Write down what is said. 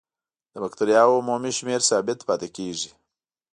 د بکټریاوو عمومي شمېر ثابت پاتې کیږي.